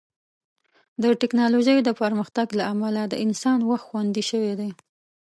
د ټیکنالوژۍ د پرمختګ له امله د انسان وخت خوندي شوی دی.